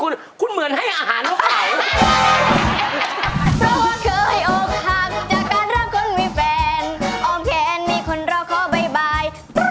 แล้วไหวมากเลย